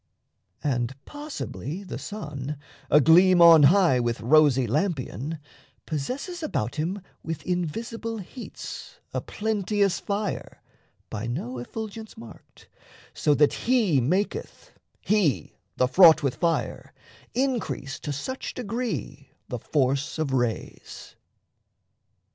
And possibly the sun, Agleam on high with rosy lampion, Possesses about him with invisible heats A plenteous fire, by no effulgence marked, So that he maketh, he, the Fraught with fire, Increase to such degree the force of rays.